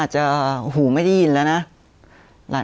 จะหูไม่ได้ยินแล้วนะ